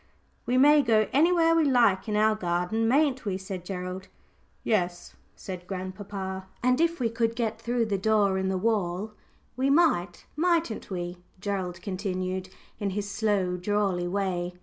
"We may go anywhere we like in our garden, mayn't we?" said Gerald. "Yes," said grandpapa. "And if we could get through the door in the wall, we might, mightn't we?" Gerald continued in his slow, drawly way.